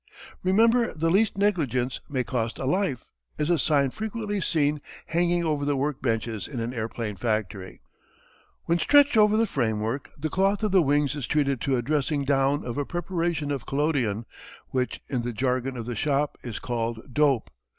A German "Gotha" their Favorite Type.] "REMEMBER THE LEAST NEGLIGENCE MAY COST A LIFE!" is a sign frequently seen hanging over the work benches in an airplane factory. When stretched over the framework, the cloth of the wings is treated to a dressing down of a preparation of collodion, which in the jargon of the shop is called "dope."